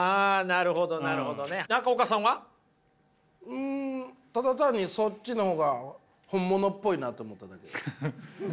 うんただ単にそっちの方が本物っぽいなと思っただけです。